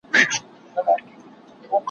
هغه څوک چي کارونه کوي قوي وي!.